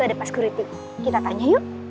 tuh ada pas kuriti kita tanya yuk